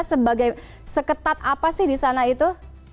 sebagai seketat apa sih di sana itu